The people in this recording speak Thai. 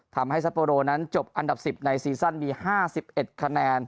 ทำให้ซัปโปโรนั้นจบอันดับ๑๐ในซีซั่นมี๕๑คะแนน